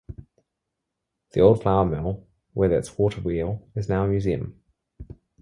The old flour mill with its water wheel is now a museum.